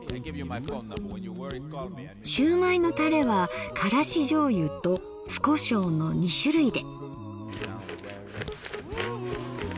しゅうまいのタレはからしじょうゆと酢コショウの２種類で。